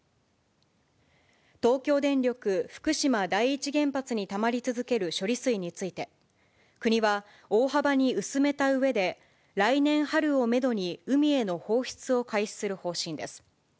東京電力福島第一原発にたまり続ける処理水について、国は、大幅に薄めたうえで、来年春をメドに海への放出を開始する方針です。